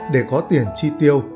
để có tiền chi tiêu